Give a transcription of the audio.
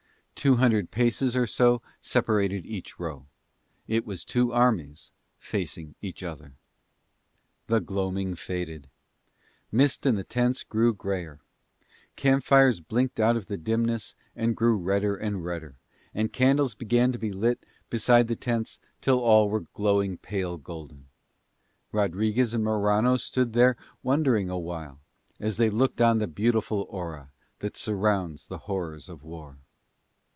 Two hundred paces or so separated each row. It was two armies facing each other. The gloaming faded: mist and the tents grew greyer: camp fires blinked out of the dimness and grew redder and redder, and candles began to be lit beside the tents till all were glowing pale golden: Rodriguez and Morano stood there wondering awhile as they looked on the beautiful aura that surrounds the horrors of war.